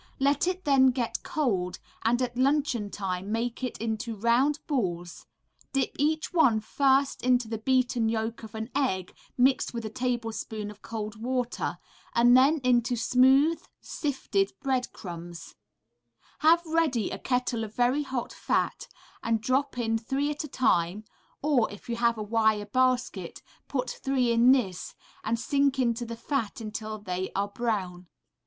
Let it then get cold, and at luncheon time make it into round balls; dip each one first into the beaten yolk of an egg mixed with a tablespoonful of cold water, and then into smooth, sifted bread crumbs; have ready a kettle of very hot fat, and drop in three at a time, or, if you have a wire basket, put three in this and sink into the fat till they are brown.